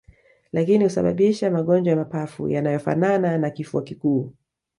lakini husababisha magonjwa ya mapafu yanayofanana na kifua kikuu